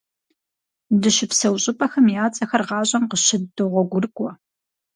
Дыщыпсэу щӀыпӀэхэм я цӀэхэр гъащӀэм къыщыддогъуэгурыкӀуэ.